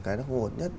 cái nó hồn nhất